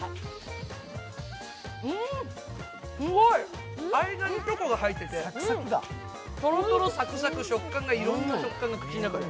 うーんすごい、間にチョコが入っててトロトロ、サクサク、いろんな食感が口の中で。